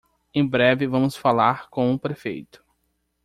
Em breve vamos falar com o prefeito.